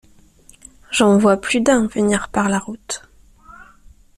J’en vois plus d’un venir par la route.